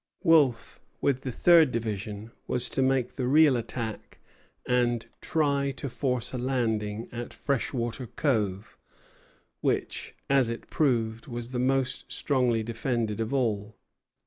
Wolfe, with the third division, was to make the real attack and try to force a landing at Freshwater Cove, which, as it proved, was the most strongly defended of all.